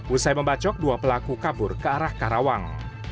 usai membacok dua pelaku kabur ke arah karawang